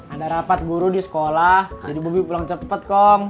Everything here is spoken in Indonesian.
ada rapat guru di sekolah jadi bubi pulang cepet kong